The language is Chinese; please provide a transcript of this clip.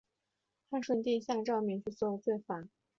汉顺帝下诏免去所有罪罚。